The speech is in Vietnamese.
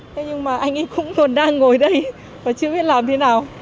thế nhưng mà anh ấy cũng còn đang ngồi đây và chưa biết làm thế nào